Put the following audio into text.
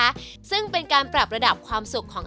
แล้วมันผสมอะไรบ้าง